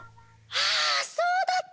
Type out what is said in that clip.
ああそうだった！